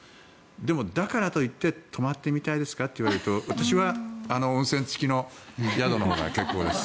でも、だからといって泊まってみたいですか？と言われると私はあの温泉付きの宿のほうが結構です